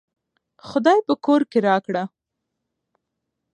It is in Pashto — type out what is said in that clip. خداى په کور کې راکړه